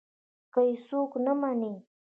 که يې څوک نه مني.